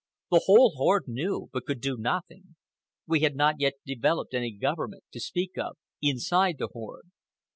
The whole horde knew, but could do nothing. We had not yet developed any government, to speak of, inside the horde.